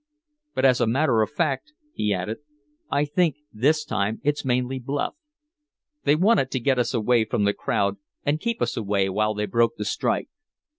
But as a matter of fact," he added, "I think this time it's mainly bluff. They wanted to get us away from the crowd and keep us away while they broke the strike.